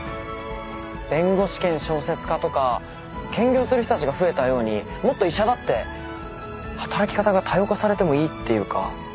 弁護士兼小説家とか兼業する人たちが増えたようにもっと医者だって働き方が多様化されてもいいっていうか。